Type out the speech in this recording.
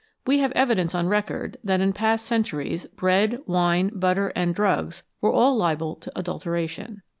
We have evidence on record that in past centuries bread, wine, butter, and drugs were all liable to adulteration.